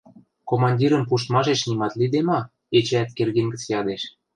— Командирӹм пуштмашеш нимат лиде ма? — эчеӓт Кердин гӹц ядеш.